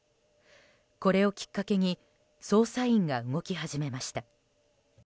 これをきっかけに捜査員が動き始めました。